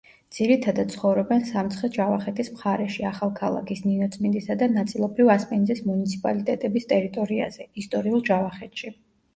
ძირითადად ცხოვრობენ სამცხე-ჯავახეთის მხარეში, ახალქალაქის, ნინოწმინდისა და ნაწილობრივ ასპინძის მუნიციპალიტეტების ტერიტორიაზე, ისტორიულ ჯავახეთში.